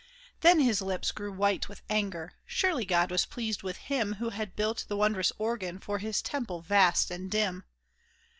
Then his lips grew white with anger. Surely God was pleased with him Who had built the wondrous organ for His temple vast and dim